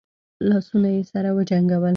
لاسونه يې سره وجنګول.